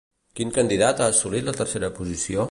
Quin candidat ha assolit la tercera posició?